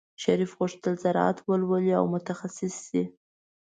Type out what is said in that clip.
شریف غوښتل زراعت ولولي او متخصص شي.